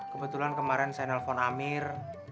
kebetulan kemarin saya nelpon amir